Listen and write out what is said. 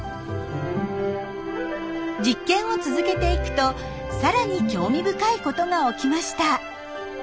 実験を続けていくとさらに興味深いことが起きました。